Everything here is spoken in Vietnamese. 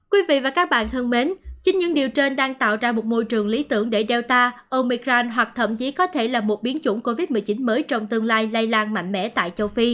quý vị và các bạn thân mến chính những điều trên đang tạo ra một môi trường lý tưởng để delta omican hoặc thậm chí có thể là một biến chủng covid một mươi chín mới trong tương lai lây lan mạnh mẽ tại châu phi